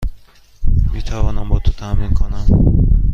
می توانم با تو تمرین کنم؟